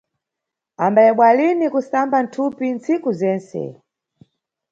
Ambayebwa lini kusamba thupi ntsiku zentse.